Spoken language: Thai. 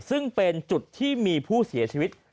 ซึ่งเป็นจุดที่มีผู้เสียชีวิต